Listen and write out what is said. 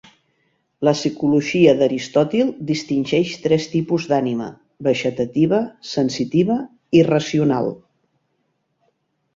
La psicologia d'Aristòtil distingeix tres tipus d'ànima: vegetativa, sensitiva i racional.